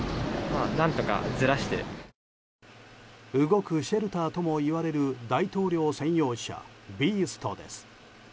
動くシェルターともいわれる大統領専用車「ビースト」です。